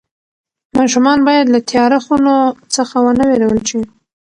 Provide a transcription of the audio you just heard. ماشومان باید له تیاره خونو څخه ونه وېرول شي.